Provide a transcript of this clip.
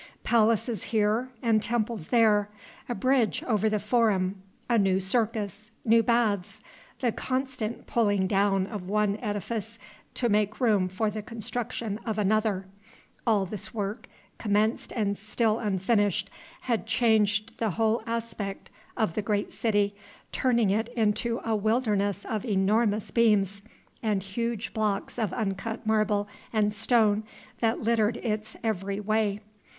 Palaces here and temples there, a bridge over the Forum, a new circus, new baths, the constant pulling down of one edifice to make room for the construction of another: all this work commenced and still unfinished had changed the whole aspect of the great city, turning it into a wilderness of enormous beams and huge blocks of uncut marble and stone that littered its every way.